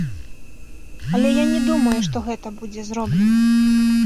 Але я не думаю, што гэта будзе зроблена.